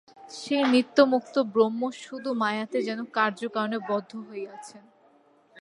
সেই নিত্যমুক্ত ব্রহ্ম শুধু মায়াতে যেন কার্যকারণে বদ্ধ হইয়াছেন।